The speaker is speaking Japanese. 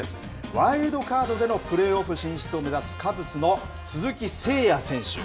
ワイルドカードでのプレーオフ進出を目指す、カブスの鈴木誠也選手。